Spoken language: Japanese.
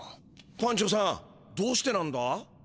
パンチョさんどうしてなんだ？